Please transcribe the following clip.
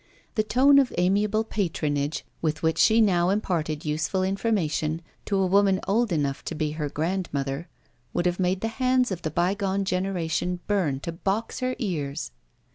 The tone of amiable patronage with which she now imparted useful information to a woman old enough to be her grandmother, would have made the hands of the bygone generation burn to box her ears.